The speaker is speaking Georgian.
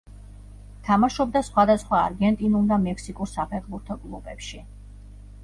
თამაშობდა სხვადასხვა არგენტინულ და მექსიკურ საფეხბურთო კლუბებში.